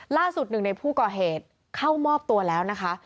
ล่าสุดหนึ่งในผู้ก่อเหตุเข้ามอบตัวแล้วนะคะ